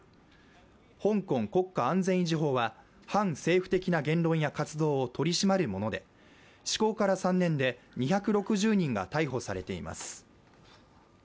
香港国家安全維持法は、反政府的な言論や活動を取り締まるもので、施行から３年で２６０人が逮捕されています。